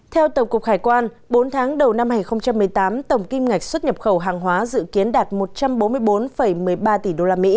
theo tổng cục hải quan bốn tháng đầu năm hai nghìn một mươi tám tổng kim ngạch xuất nhập khẩu hàng hóa dự kiến đạt một trăm bốn mươi bốn một mươi ba tỷ usd